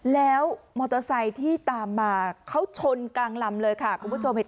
ตั้ง๙๔ร่วมสนับสนุนให้ยีโร่ของเรามีอุปกรณ์เพิ่มมือเปิดตัวหมุนร้อง